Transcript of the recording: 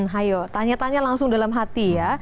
hayo tanya tanya langsung dalam hati ya